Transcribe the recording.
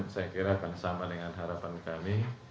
saya kira akan sama dengan harapan kami